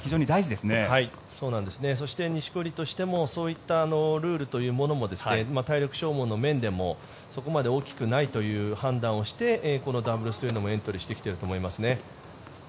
そして、錦織としてもそういったルールというもの体力勝負の面でもそこまで大きくないという判断をしてこのダブルスというのもエントリーしてきていると思いますね。